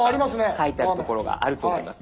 書いてある所があると思います。